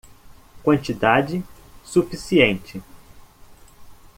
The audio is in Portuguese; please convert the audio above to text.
Quantidade suficiente